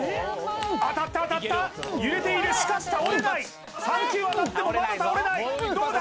当たった当たった揺れているしかし倒れない３球当たってもまだ倒れないどうだ？